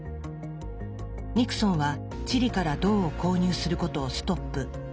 ニクソンはチリから銅を購入することをストップ。